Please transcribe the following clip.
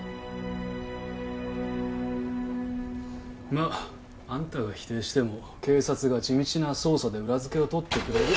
まああんたが否定しても警察が地道な捜査で裏付けを取ってくれる。